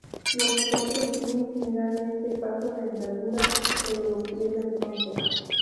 Los potros tiene generalmente paso de andadura, pero lo pierden pronto.